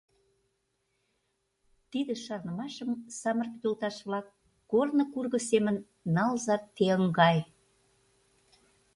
Тиде шарнымашым самырык йолташ-влак, корно курго семын налза те ыҥгай.